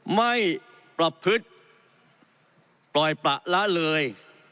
ไม่ประพฤติปล่อยประละเลย